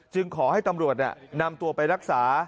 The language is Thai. ขอให้ตำรวจนำตัวไปรักษา